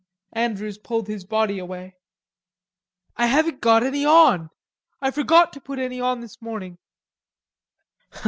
Andrews pulled his body away. "I haven't got any on. I forgot to put any on this morning."